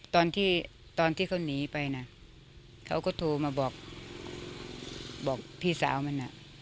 ตอนที่เขาหนีไปนะเขาก็โทรมาบอกพี่สาวมันนะ